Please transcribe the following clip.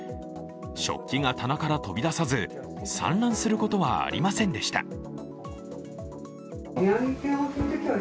食器が棚から飛び出さず、散乱することはありませんでした。